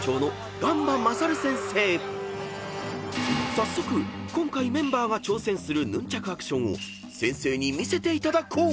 ［早速今回メンバーが挑戦するヌンチャクアクションを先生に見せていただこう］